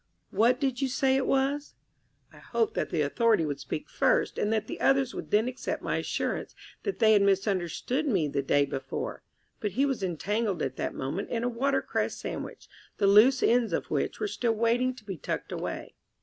"What did you say it was?" I hoped that the Authority would speak first, and that the others would then accept my assurance that they had misunderstood me the day before; but he was entangled at that moment in a watercress sandwich, the loose ends of which were still waiting to be tucked away.